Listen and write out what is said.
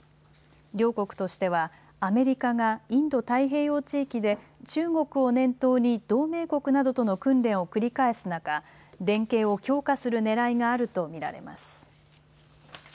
両国としてはアメリカがインド太平洋地域で中国を念頭に同盟国などとの訓練を繰り返す中、連携を強化するねらいがあると見られます。